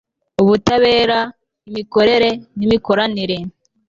ubutabera, imikorere n'imikoranire